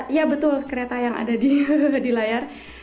iya betul kereta yang ada di layar